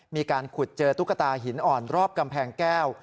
มีการขุดเจอตุ๊กตาหินอ่อนรอบกำแพงแก้ว